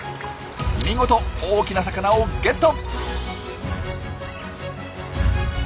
見事大きな魚をゲット！